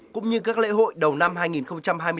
cũng như các lễ hội đầu năm hai nghìn hai mươi bốn